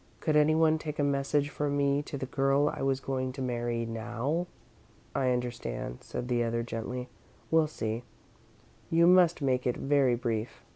"Could anyone take a message for me to the girl I was going to marry now?" "I understand," said the other, gently. "We'll see. You must make it very brief."